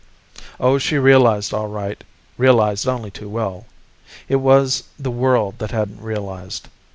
Oh, she realized, all right, realized only too well. It was the world that hadn't realized.